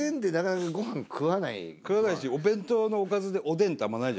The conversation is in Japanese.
食わないしお弁当のおかずでおでんってあんまない。